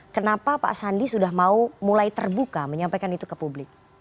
kenapa pak sandi sudah mau mulai terbuka menyampaikan itu ke publik